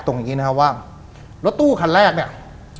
อย่างนี้นะครับว่ารถตู้คันแรกเนี่ย